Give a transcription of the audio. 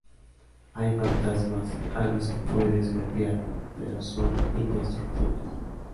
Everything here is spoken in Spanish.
Hay fantasmas a los que puedes golpear, pero son indestructibles.